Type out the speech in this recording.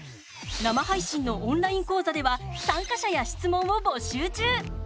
生配信のオンライン講座では参加者や質問を募集中。